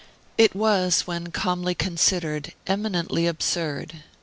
It was, when calmly considered, eminently absurd.